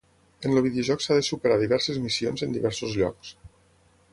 En el videojoc s'ha de superar diverses missions en diversos llocs.